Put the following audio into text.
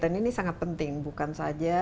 dan ini sangat penting bukan saja